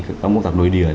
các công tác nội địa